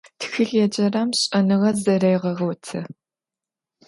Тхылъ еджэрэм шӀэныгъэ зэрегъэгъоты.